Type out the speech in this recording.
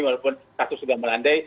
walaupun kasus sudah melandai